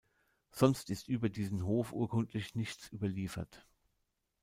Sonst ist über diesen Hof urkundlich nichts überliefert.